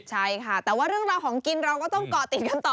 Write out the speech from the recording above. ใช่ค่ะแต่ว่าเรื่องราวของกินเราก็ต้องเกาะติดกันต่อ